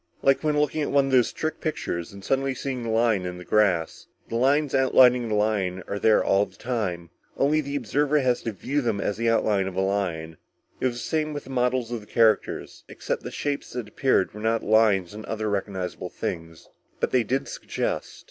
Like when looking at one of those trick pictures and suddenly seeing the lion in the grass. The lines outlining the lion are there all the time, only the observer has to view them as the outline of a lion. It was the same with the models of the characters, except the shapes that appeared were not of lions or other recognizable things. But they did suggest."